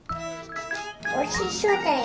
おいしそうだよ。